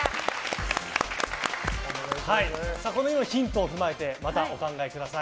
ヒントを踏まえてまた、お考えください。